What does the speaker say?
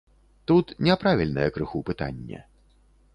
Тут няправільнае крыху пытанне.